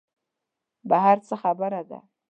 بهر څه خبره ده.